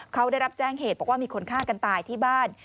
เขาได้รับแจ้งเหตุบอกว่ามีคนฆ่ากันตายที่บ้าน